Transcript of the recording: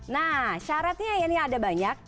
nah syaratnya ya ini ada banyak